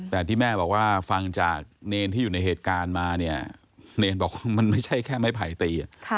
แต่ที่แม่บอกว่าฟังจากเนรที่อยู่ในเหตุการณ์มาเนี่ยเนรบอกว่ามันไม่ใช่แค่ไม้ไผ่ตี